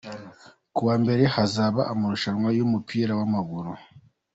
Kuwambere hazaba amarushanwa yumupira wa maguru